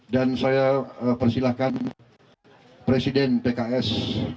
dan saya persilahkan presiden pks